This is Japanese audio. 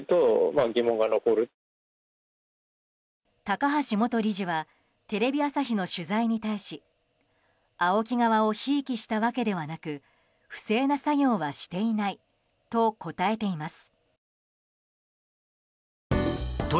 高橋元理事はテレビ朝日の取材に対しＡＯＫＩ側をひいきしたわけではなく不正な作業はしていないと答えています。